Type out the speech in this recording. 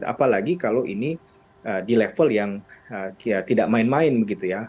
apalagi kalau ini di level yang tidak main main begitu ya